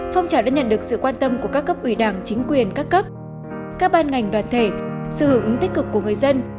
phong trào đã nhận được sự quan tâm của các cấp ủy đảng chính quyền các cấp các ban ngành đoàn thể sự hưởng ứng tích cực của người dân